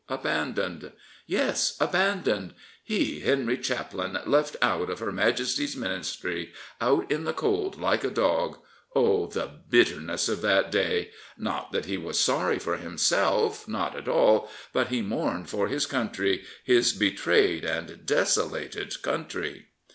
— abandoned. Yes, abandoned. He, Henry Chaplin, left out of her Majesty's Ministry — out in the cold, like a dog. Oh, the bitterness of that day! Not that he was sorry for himself, not at all ; but he mourned for his country, his betrayed and desolated country.